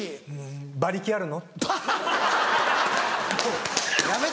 「馬力あるの？」。